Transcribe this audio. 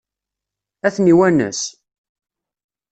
Ad ten-iwanes?